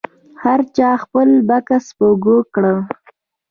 هر چا خپل بکس په اوږه کړ.